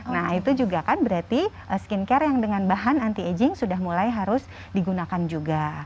nah itu juga kan berarti skincare yang dengan bahan anti aging sudah mulai harus digunakan juga